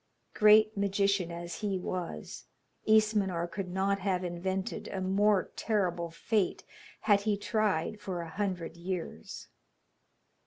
Great magician as he was, Ismenor could not have invented a more terrible fate had he tried for a hundred years.